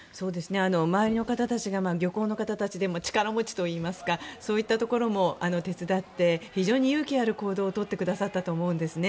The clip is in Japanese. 周りの方たちが漁港の方たちで力持ちといいますかそういったところも手伝って非常に勇気ある行動を取ってくださったと思うんですね。